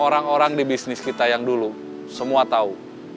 orang orang di bisnis kita yang dulu semua tahu